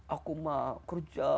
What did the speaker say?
aku mah kerja